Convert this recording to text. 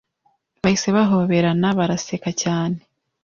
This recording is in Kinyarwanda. Bahise bahoberana baraseka cyane.